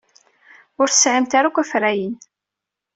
Ur tesɛimt ara akk afrayen.